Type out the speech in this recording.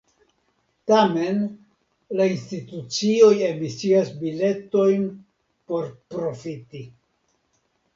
Tamen, la institucioj emisias biletojn por profiti.